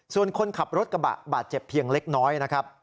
ส่วนคนขับรถกระบะบาดเจ็บเพียงเล็กน้อยนะครับ